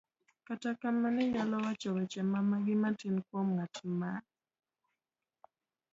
kata kamano, inyalo wacho weche mamagi matin kuom ng'at mind